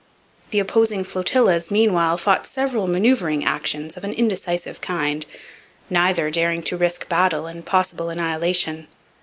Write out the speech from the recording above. The opposing flotillas meanwhile fought several manoeuvring actions of an indecisive kind, neither daring to risk battle and possible annihilation.